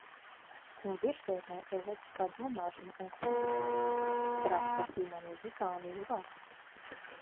Un virsotnē ir loģiskā domāšana un konsekvence. Braukt ar ģimeni uz Igauniju var.